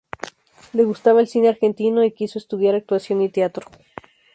Le gustaba el Cine Argentino y quiso estudiar actuación y teatro.